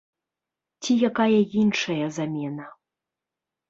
Ці якая іншая замена.